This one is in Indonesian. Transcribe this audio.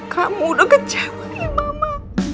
kamu udah kecewa nih mama